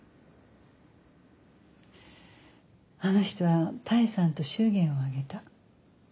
あの人は多江さんと祝言を挙げた。